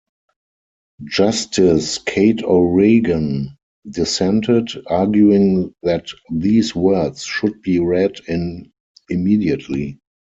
Justice Kate O'Regan dissented, arguing that these words should be read in immediately.